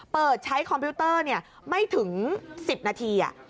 เปิดใช้คอมพิวเตอร์ไม่ถึง๑๐นาที